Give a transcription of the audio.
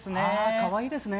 かわいいですね。